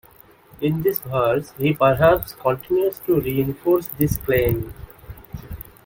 In this verse he perhaps continues to reinforce this claim.